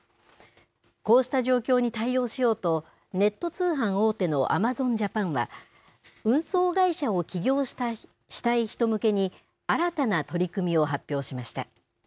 こうした状況に対応しようとネット通販大手のアマゾンジャパンは運送会社を起業したい人向けに新たな取り組みを発表しました。